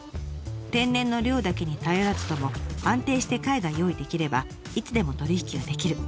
天然の漁だけに頼らずとも安定して貝が用意できればいつでも取り引きはできる。